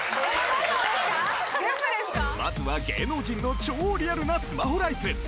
まずは芸能人の超リアルなスマホライフ。